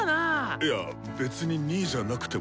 いやっ別に２位じゃなくても。